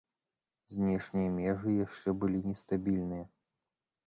Знешнія межы яшчэ былі нестабільныя.